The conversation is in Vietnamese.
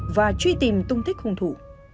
và truy tìm tung thích hùng thủ